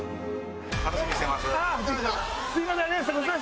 楽しみにしてます。